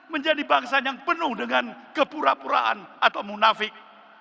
menjadi bangsa yang penuh dengan kepura puraan atau munafik